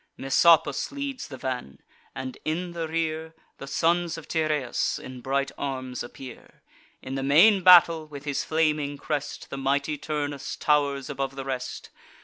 Messapus leads the van; and, in the rear, The sons of Tyrrheus in bright arms appear. In the main battle, with his flaming crest, The mighty Turnus tow'rs above the rest.